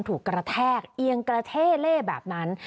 ถูกกระแทกเอียงกระเท่เล่แบบนั้น